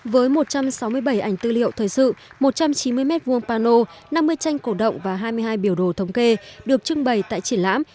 với một trăm sáu mươi bảy ảnh tư liệu thời sự một trăm chín mươi m hai pano năm mươi tranh cổ động và hai mươi hai biểu đồ thống kê được trưng bày tại triển lãm